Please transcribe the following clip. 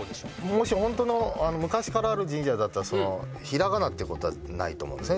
もしホントの昔からある神社だったらひらがなってことはないと思うんですね